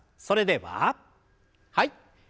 それでははい。